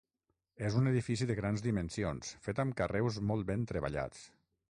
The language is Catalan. És un edifici de grans dimensions, fet amb carreus molt ben treballats.